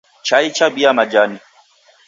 Chai chabia majani.